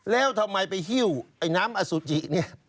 แล้วทำไมไปหิ้วไอ้น้ำอสุจิเนี่ย